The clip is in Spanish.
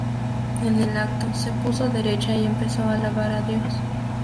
En el acto se puso derecha y empezó a alabar a Dios.